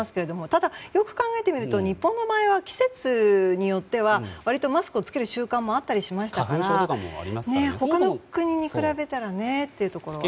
ただ、よく考えてみると日本の場合は季節によっては割とマスクを着ける習慣もありましたから他の国に比べたらねというところが。